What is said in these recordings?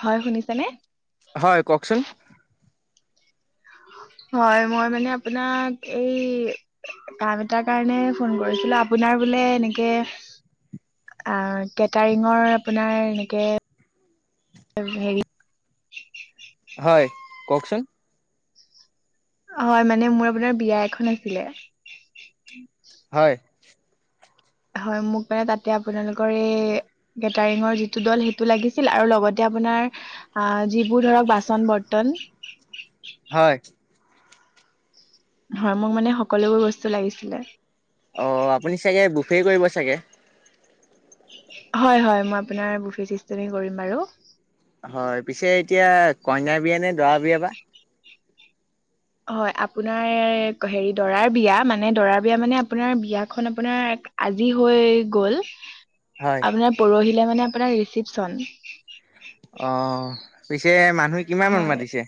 হয় শুনিছা নে? হয় কওকচোন? হয় মই মানে আপোনাক এই কাম এটাৰ কাৰণে ফোন কৰিছিলো, আপোনাৰ বোলে এনেকে আঁ কেটাৰিঙৰ আপোনাৰ এনেকে হেৰি হয়, কওকচোন? হয় মানে মোৰ আপোনাৰ বিয়া এখন আছিলে। হয়। হয় মোক মানে তাতে আপোনালোকৰ এই কেটাৰিঙৰ যিটো দল সেইটো লাগিছিল আৰু লগতে আপোনাৰ আঁহ যিবোৰ ধৰক বাচন বৰ্তন। হয়। হয় মোক মানে সকলোবোৰ বস্তু লাগিছিলে। অ আপুনি চাগে বুফে কৰিব চাগে? হয় হয়, মই আপোনাৰ বুফে চিষ্টেমে কৰিম বাৰু। হয় পিছে এতিয়া কইনাৰ বিয়া নে দৰা বিয়া বা? হয় আপোনাৰ হেৰি দৰাৰ বিয়া, মানে দৰাৰ বিয়া মানে আপোনাৰ বিয়াখন আপোনাৰ আজি হৈ গ'ল। হয়। আপোনাৰ পৰহিলে মানে আপোনাৰ ৰিচিপচন। অ পিছে মানুহ কিমানমান হয় মাতিছে?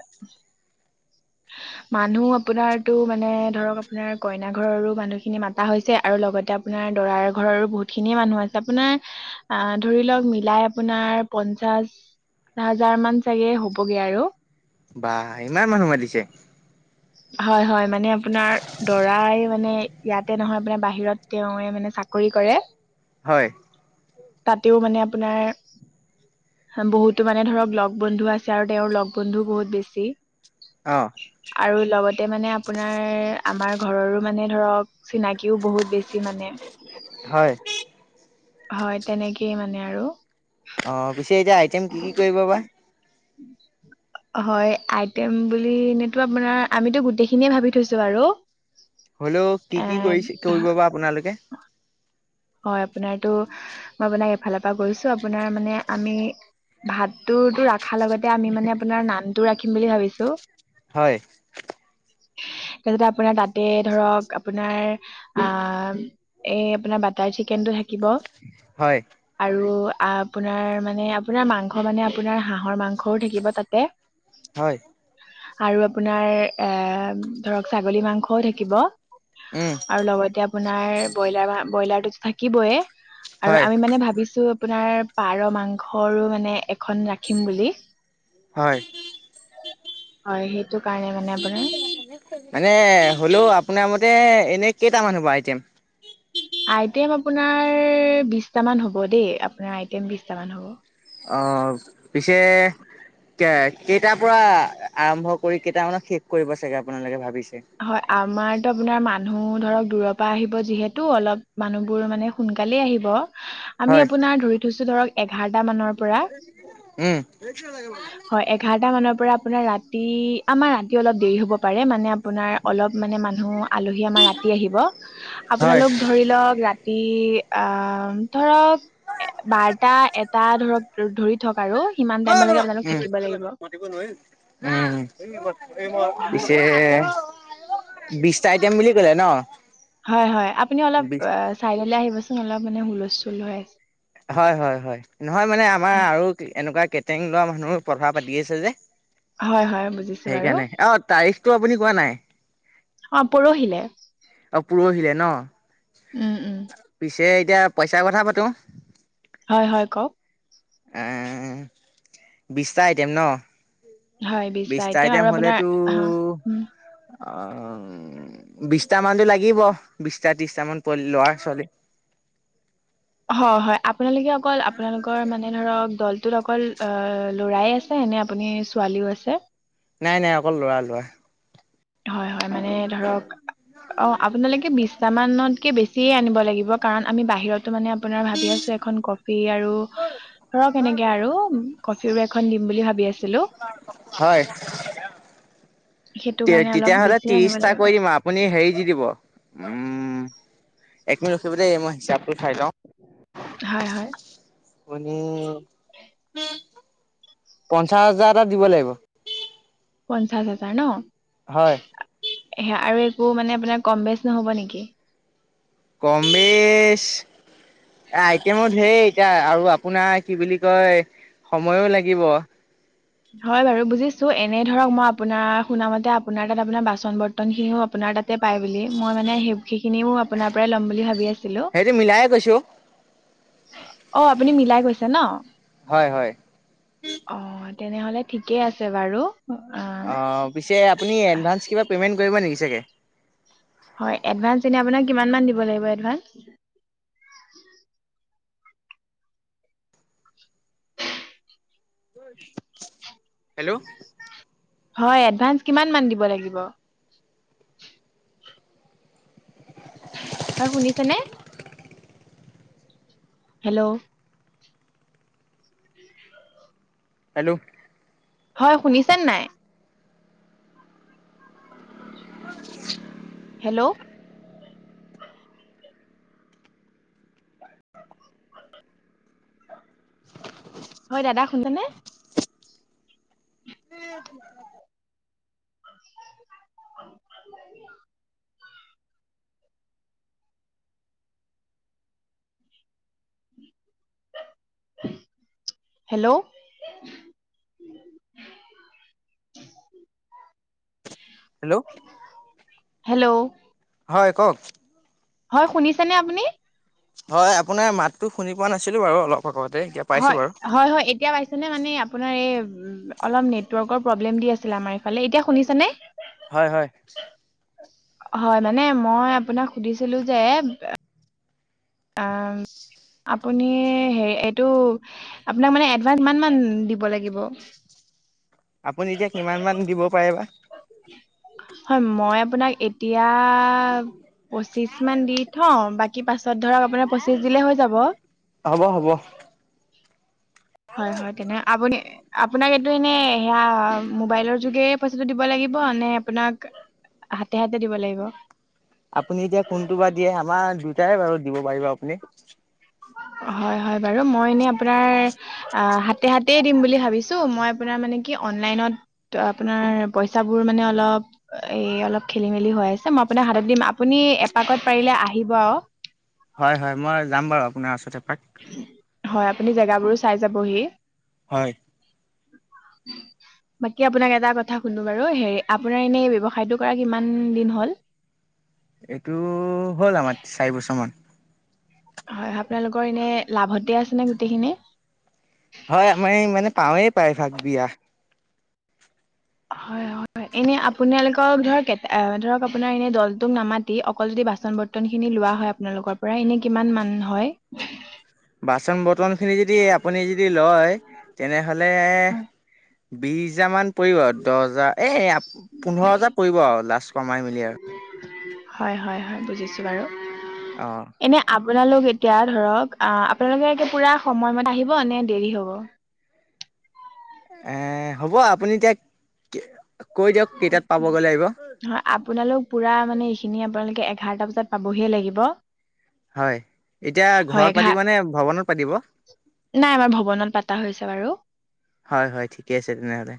মানুহ আপোনাৰতো মানে ধৰক আপোনাৰ কইনা ঘৰৰো মানুহখিনি ম তা হৈছে আৰু লগতে আপোনাৰ দৰাৰ ঘৰৰো বহুত খিনিয়ে মানুহ আছে। আপোনাৰ আ ধৰি লওক মিলাই আপোনাৰ পঞ্চাশ হাজাৰ মান চাগে হ'বগে আৰু। বাহ ইমান মানুহ মতিছে? হয় হয় মানে আপোনাৰ দৰাই মানে ইয়াতে নহয় আপোনাৰ বাহিৰত তেওঁৱে মানে চাকৰি কৰে। হয়। তাতেও মানে আপোনাৰ বহুতো মানে ধৰক লগ বন্ধু আছে আৰু তেওঁৰ লগ বন্ধুও বহুত বেছি। অঁ আৰু লগতে মানে আপোনাৰ আমাৰ ঘৰৰো মানে ধৰক চিনাকিও বহুত বেছি মানে হয়। হয় তেনেকেই মানে আৰু। অঁ পিছে এতিয়া আইটেম কি কি কৰিব বা? [inaudible] হয় আইটেম বুলি এনেতো আপোনাৰ আমিতো গোটেইখিনিয়ে ভাবি থৈছো বাৰু। হ'লেও কি এ কি কৰিছে কৰিব ধ- বা আপোনালোকে? হয় আপোনাৰটো মই আপোনাক এফালৰ পৰা কৈছো আপোনাৰ মানে আমি ভাতটো ৰা খাৰ লগতে আমি মানে আপোনাৰ নানটো ৰাখিম বুলি ভাবিছো। হয়। তাৰপাছতে আপোনাৰ তাতে ধৰক আপোনাৰ আহ এই আপোনাৰ বাটাৰ চিকেনটো থাকিব। হয় আৰু আপোনাৰ মানে আপোনাৰ মাংস মানে আপোনাৰ হাঁহৰ মাংসও থাকিব তাতে। হয়। আৰু আপোনাৰ এ ধৰক ছাগলী মাংসও থাকিব। উম' আৰু লগতে আপোনাৰ ব্ৰইলাৰ ব্ৰইলাৰটোতো থাকিবয়ে। আৰু হয় আমি মানে ভাবিছো আপোনাৰ পাৰ মাংসৰো মানে এখন ৰাখিম বুলি। হয়। হয়, সেইটো কাৰণে মানে আপোনাৰ- মানে হ'লেও আপোনাৰ মতে এনেই কেইটা মানে বা আই টেম? আইটেম আপোনাৰ বিশটামান হ'ব দেই আপোনাৰ আইটেম বিছটামান হ'ব। অঁ' পিছে- কে কেইটাৰ পৰা আৰম্ভ কৰি কেইটামানত শেষ কৰিব চাগে আপোনালোকে ভাবিছে? হয়, আমাৰতো আপোনাৰ মানুহ ধৰক দূৰৰ পৰা আহিব যিহেতু অলপ মানুহবোৰ মানে- সোনকালেই আহিব। আমি হয়, আপোনাৰ ধৰি থৈছো ধৰক এঘাৰটা মানৰ- পৰা উম' হয় এঘাৰটা মানৰ পৰা আপোনাৰ ৰাতি আমাৰ ৰাতি অলপ দেৰি হ'ব পাৰে, মানে আপ- পোনাৰ অলপ মানে মানুহ আলহী আমাৰ ৰাতি আহিব। হয়। আপোনালোক ধৰি লওঁক ৰাতি আহ ধৰক, - এ বাৰটা এটা ধৰক ধৰি থক আৰু সিমান উম, টাইমলেকে আপোনালোক থাকিব লাগিব। হয় পিছে- বিশটা আইটম বুলি ক'লে ন? হয় হয়, আপুনি অলপ বিশ অ চাইদলে আহিবচোন, অলপ মানে হুলস্থুল হৈ আছে। হয় হয় হয়, নহয় মানে আমাৰ আৰু এনেকুৱা কেটং লোৱা মানুহ- কথা পাতি আছে যে হয় হয় বুজিছো বাৰু সেইকাৰণে, অঁ' তাৰিখটো আপুনি কোৱা নাই। অঁ' প'ৰহিলে। অ' পুৰহিলে ন, উম উম পিছে এতিয়া পইচাৰ কথা পাতো। হয় হয়, কওঁক। এঁএ বিছটা আইটেম ন। হয় বিশটা বিছটা আইটেম আৰু আপোনাৰ হা হ'লেতো- উম অঁও বিছটামানটো লাগিব বিছটা ত্ৰিছটা মান প ল'ৰা ছোৱালী। হয় হয়, আপোনালোকে অকল আপোনালোকৰ মানে ধৰক দলটোত অকল- ল'ৰাই আছে, নে আপুনি ছোৱালীও আছে? নাই নাই অকল ল'ৰা ল'ৰা। হয় হয়, মানে ধৰক, - অঁ' আপোনালোকে বিছটা মানতকে বেছিয়ে আনিব লাগিব, কাৰণ আমি বাহিৰত- টো মানে আপোনাৰ ভাবি আছো এখন কপি আৰু- ধৰক, সেনেকে আৰু কফিৰো এখন দিম বুলি ভাবি আছিলো। হয়। সেইটো তে কাৰণে অলপ তেতিয়াহলে বেছি আনিব ত্ৰিছটা লাগিব কৰি দিম, আপুনি হেৰি দি দিব। উম! একমিনিট ৰখিব দেই মই হিচাপটো চাই লওঁ। হয় হয়। আপুনি পঞ্চাছ হাজাৰ এটা দিব লাগিব। পঞ্চাছ হাজাৰ ন। হয়। সে আৰু একো মানে আপোনাৰ কম বেচ নহ'ব নিকি? কম বেছ এ আইটেমো ধেৰ এতিয়া আৰু আপোনাৰ কি বুলি কয় সময়ো লাগিব। হয় বাৰু বুজিছো এনে ধৰক মই আপোনাৰ শুনা মতে আপোনাৰ তাত আপোনাৰ বাচন বৰ্তনখিনিও আপোনাৰ তাত তে পাই বুলি, মই মানে সেই সেইখিনিও আপোনাৰ পৰাই ল'ম বুলি ভাবি আছিলো। সেইটো মিলাইে কৈছো অ আপুনি মিলাই কৈছে ন? হয় হয়। অহ, তেনেহলে ঠিকেই আছে বাৰু। অ অঁ পিছে আপুনি এডভাঞ্চ কিবা পে'মেণ্ট কৰিব নেকি চাগে? হয়, এডভাঞ্চ এনে আপোনাক কিমানমান দিব লাগিব এডভাঞ্চ? হেল্ল'? হয়, এডভাঞ্চ কিমান মান দিব লাগিব? হয় শুনিছে নে? হেল্ল'? হেল্ল'? হয় শুনিছে নাই? [inaudible] হেল্ল'? [inaudible] হয় দাদা শুনছানে? উ। [unintelligible] [inaudible] হেল্ল'? হেল্ল'? হেল্ল'? হয় কওক? হয় শুনিছে নে আপুনি? হয়, আপোনাৰ মাততো শুনি পোৱা নাছিলো বাৰু অলপ আগতে এতিয়া। পাইছোঁ হয়, বাৰু। হয় হয় এতিয়া পা চিনে মানে আপোনাৰ এই অলপ নেটৱৰ্কৰ প্ৰব্লেম দি আছিলে আমাৰ এইফালে এতিয়া শুনিছে নে? হয় হয়। হয় মানে মই আপোনাক সুধিছিলো যে আ আম আপ আপুনি হে এইটো আপোনাক মানে এডভাঞ্চ কিমানমান দিব লাগিব? আপুনি এতিয়া কিমানমান দিব পাৰে বা। হয়, মই আপোনাক এতিয়া পচিছমান দি থও, বাকী পাছত ধৰক আপোনাৰ পঁচিছ দিলে হৈ যাব। হ'ব হ'ব। হয় হয় তেনে আপুনি আপোনাক এইটো এনে সেয়া মোবাইলৰ যোগে পইচাটো দিব লাগিব নে আপোনাক হাতে হাতে দিব লাগিব? আপুনি এতিয়া কোনটো বা দিয়ে আমাৰ দুয়োটাই বাৰু দিব পাৰিব আপুনি। হয় হয় বাৰু, মই এনে আপোনাৰ আ হাতে - হাতে দিম বুলি ভাবিছো, মই আপোনাৰ মানে কি অনলাইনত ত আপোনাৰ পইচাবোৰ মানে অলপ এই অলপ খেলি - মেলি হৈ আছে, মই আপোনাক হাতত দিম, আপুনি এপাকত পাৰিলে আহিব আৰু। হয় হয়, মই যাম বাৰু আপোনাৰ ওচৰত এপাক। হয় আপুনি জেগাবোৰো চাই যাবহি। হয়। বাকী আপোনাক এটা কথা শুধো বাৰু হে আপোনাৰ এনেই ব্যয়ৱসায়টো কৰা কিমান দিন হ'ল? এইটো হ'ল আমাৰ চাৰি বছৰমান। হয় আপোনালোকৰ এনে লাভতে আছে নে গোটেইখিনিে? হয় আমাৰ এই মানে পাওঁৱেই প্ৰায়ভাগ বিয়া। হয় হয় হয় এনে আপোনালোকক ধৰক ধৰক আপোনাৰ এনে দলটোক নামাতি অকল যদি বাচন বৰ্তন খিনি লোৱা হয় আপোনালোকৰ পৰা এনে কিমান মান হয়? বাচন বৰ্তনখিনি যদি আপুনি যদি লয় তেনেহ'লে হয় বিশ হাজাৰ মান পৰিব, দহ হাজাৰ এই পোন্ধৰ হাজাৰ পৰিব আৰু লাষ্ট কমাই মেলি আৰু। হয় হয় হয় বুজিছো বাৰু। অঁ। এনে আপোনালোক এতিয়া ধৰক আপোনালোকে পুৰা সময়মতে আহিব নে দেৰি হব? এ হ'ব আপুনি এতিয়া কৈ দিয়ক কেইটাত পাবগৈ লাগিব [inaudible] হয় আপোনালোক পুৰা মানে এইখিনি আপোনালোকে এঘাৰটা বজাত পাবহি লাগিব। হয় এতিয়া হয় ঘৰত এঘাৰ পাতিব নে ভৱনত পাতিব? নাই আমাৰ ভৱনত পাতা হৈছে বাৰু। হয় হয় ঠিকে আছে তেনেহ'লে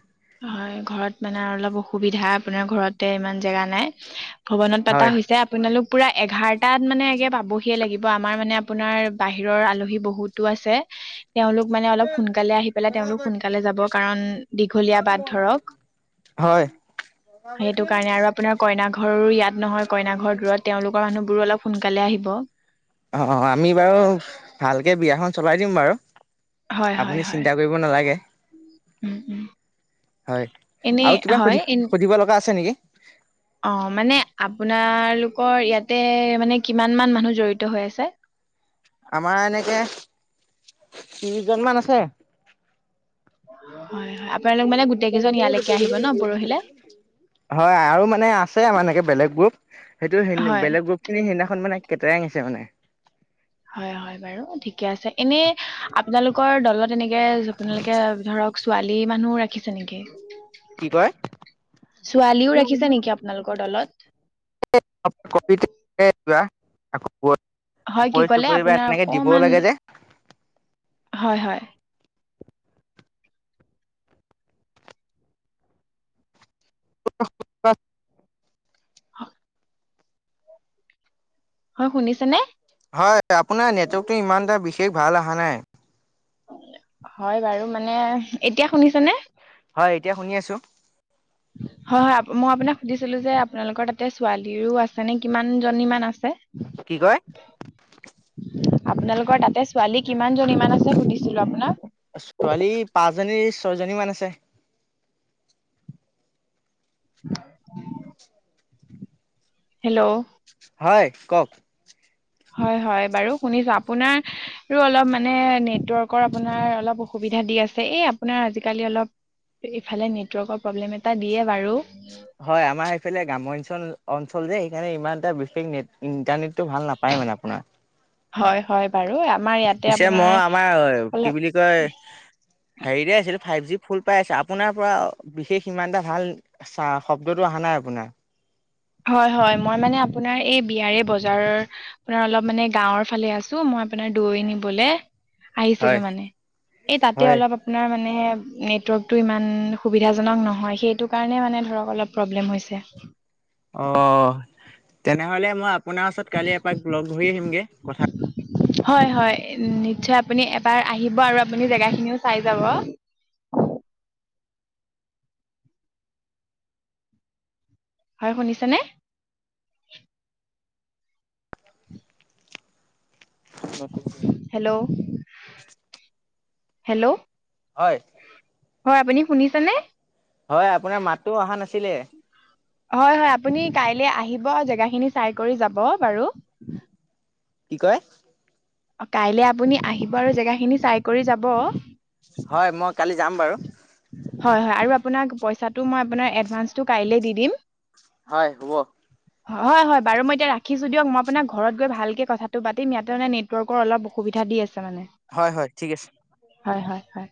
হয় ঘৰত মানে অলপ অসুবিধা আপোনাৰ ঘৰতে ইমান জেগা নাই। ভৱনত পতা হয় হৈছে আপোনালোক পুৰা এঘাৰটাত মানে আগে পাবহিয়ে লাগিব আমাৰ মানে আপোনাৰ বাহিৰৰ আলহী বহুতো আছে। তেওঁলোক মানে অলপ সোনকালে আহি পেলাই তেওঁলোক সোনকালে যাব কাৰণ দীঘলীয়া বাট ধৰক। হয়। সেইটো কাৰণে আৰু আপোনাৰ কইনা ঘৰৰো ইয়াত নহয় কইনা ঘৰ দূৰত। তেওঁলোকৰ মানুহবোৰো অলপ সোনকালে আহিব। অ আমি বাৰু ভালকে বিয়াখন চলাই দিম বাৰু হয় হয় আপুনি হয় চিন্তা কৰি ব নালাগে। উম উম হয়, এনেই আৰু কিবা হয় সুধি এ সুধিব লগা আছে নেকি? অ মানে আপোনালোকৰ ইয়াতে মানে কিমান মান মানুহ জড়িত হৈ আছে? আমাৰ এনেকে ত্ৰিশ জন মান আছে। হয় হয়, আপোনালোক মানে গোটেই কেইজন ইয়ালৈকে আহিব ন পৰহিলে? হয় আৰু মানে আছে আমাৰ এনেকে বেলেগ গ্ৰুপ সেইটো হয় বেলেগ গ্ৰুপ খিনি সেইদিনাখন মানে কেটেৰাং আছে মানে। হয় হয় বাৰু ঠিকে আছে। এনে আপোনালোকৰ দলত এনেকে আপোনালোকে ধৰক ছোৱালী মানুহও ৰাখিছে নেকি? কি কয় ছোৱালীও ৰাখিছে নেকি আপোনালোকৰ দলত? [unintelligible] পকৰি হয় কি ক'লে চকৰি বা আপোনাৰ এনেকে দিবও অকমান লাগে যে। হয় হয়। [unintelligible] [inaudible] হয় শুনিছে নে? হয় আপোনাৰ নেটৱৰ্কটো ইমান এটা বিশেষ ভাল অহা নাই। হয় বাৰু মানে, এতিয়া শুনিছে নে? হয় এতিয়া শুনি আছো। হয় হয় মই আপোনাক সুধিছিলো যে আপোনালোকৰ তাতে ছোৱালীৰো আছে নে কিমান জনীমান আছে। কি কয়। আপোনালোকৰ তাতে ছোৱালী কিমান জনী মান আছে সুধিছিলো আপোনাক। ছোৱালী পাঁচজনী ছয়জনীমান আছে। [inaudible] হেল্ল হয় কওক। হয় হয় বাৰু শুনিছো আপোনাৰো অলপ মানে নেটৱৰ্কৰ আপোনাৰ অলপ অসুবিধা দি আছে। এই আপোনাৰ আজিকালি অলপ ইফালে নেটৱৰ্কৰ প্ৰব্লেম এটা দিয়ে বাৰু। হয় আমাৰ এইফালে গ্ৰাম্যঞ্চল অঞ্চল যে সেইকাৰণে ইমান এটা বিশেষ নেট ইণ্টাৰনেটটো ভাল নাপায় মানে আপোনাৰ। হয় হয় বাৰু আমাৰ ইয়াত। পিছে মই আমাৰ কি বুলি কয়। হেৰিতে আছিলো ফাইভ জি ফুল পাই আছে আপোনাৰ পৰা বিশেষ ইমান এটা ভাল চা শব্দটো অহা নাই আপোনাৰ। হয় হয় মই মানে আপোনাৰ এই বিয়াৰে বজাৰ আপোনাৰ অলপ মানে গাঁওৰ ফালে আছো মই আপোনাৰ দৈ নিবলে। হয় আহিছিলো মানে এই তাতে হয়। অলপ। আপোনাৰ মানে সেই নেটৱৰ্কটো ইমান সুবিধাজনক নহয় সেইটো কাৰণে মানে ধৰক অলপ। প্ৰব্লেম হৈছে। অ তেনেহলে মই আপোনাৰ ওচৰত কালি এপাক লগ ধৰি আহিমগে কথা। হয় হয় নিশ্চয় আপুনি এবাৰ আহিব আৰু আপুনি জেগা খিনিও চাই যাব। হয় শুনিছে নে। নকৰি হেল্ল হেল্ল হয়। হয় আপুনি শুনিছেনে। হয় আপোনাৰ মাততো অহা নাছিলে। হয় হয় আপুনি কাইলে আহিব জেগাখিনি চাই কৰি যাব বাৰু। কি কয়। কাইলে আপুনি আহিব আৰু জেগাখিনি চাই কৰি যাব। হয় মই কালি যাম বাৰু। হয় হয় আৰু আপোনাক পইচাটো মই আপোনাৰ এডভান্সটো কাইলে দি দিম। হয় হব। হয় হয় বাৰু মই এতিয়া ৰাখিছো দিয়ক মই আপোনাক ঘৰত গৈ ভালকে কথাটো পাতিম ইয়াতে মানে নেটৱৰ্কৰ অলপ অসুবিধা দি আছে। বুজিছা নে নাই হয় হয় ঠিক আছে। হয় হয় হয়।